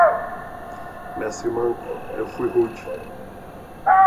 Mestre manco, eu fui rude.